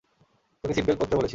তোকে seat belt পড়তে বলেছি!